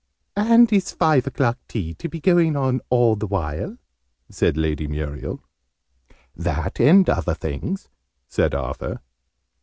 "And is five o'clock tea to be going on all the while?" said Lady Muriel. "That, and other things," said Arthur.